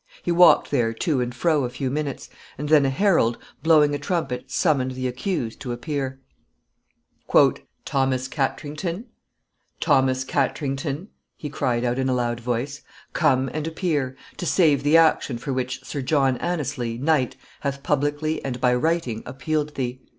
He walked there to and fro a few minutes, and then a herald, blowing a trumpet, summoned the accused to appear. [Sidenote: Summons to the accused.] "Thomas Katrington! Thomas Katrington!" he cried out in a loud voice, "come and appear, to save the action for which Sir John Anneslie, knight, hath publicly and by writing appealed thee!"